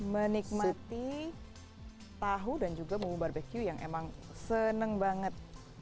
menikmati tahu dan juga bumbu barbeque yang emang seneng banget